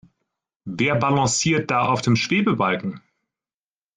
Wer balanciert da auf dem Schwebebalken?